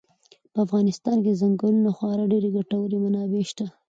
په افغانستان کې د ځنګلونو خورا ډېرې ګټورې منابع شته دي.